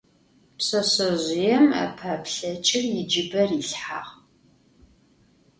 Pşseşsezjıêm epe'eplheç'ır yicıbe rilhhağ.